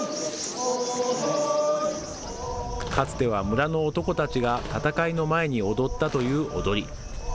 かつては村の男たちが闘いの前に踊ったという踊り。